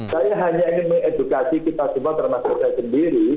saya hanya ingin mengedukasi kita semua termasuk saya sendiri